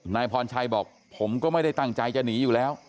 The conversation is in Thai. นายพรชัยบอกผมก็ไม่ได้ตั้งใจจะหนีอยู่แล้ว